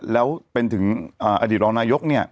แล้วเป็นถึงอดีตรองนายกเนี่ย